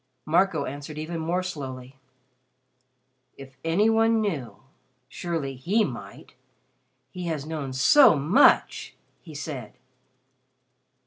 Marco answered even more slowly. "If any one knew surely he might. He has known so much," he said.